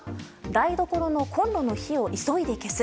台所のコンロの火を急いで消す。